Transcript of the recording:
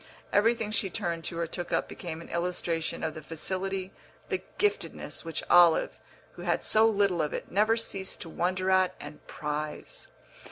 Everything she turned to or took up became an illustration of the facility, the "giftedness," which Olive, who had so little of it, never ceased to wonder at and prize.